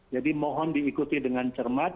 jadi mohon diikuti dengan cermat